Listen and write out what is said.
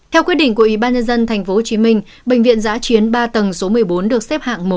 theo quyết định của ủy ban nhân dân tp hcm bệnh viện giã chiến ba tầng số một mươi bốn được xếp hạng một